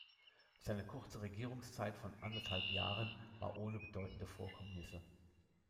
Seine kurze Regierungszeit von anderthalb Jahren war ohne bedeutende Vorkommnisse.